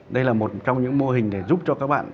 đây là một trong những mô hình để giúp cho các bạn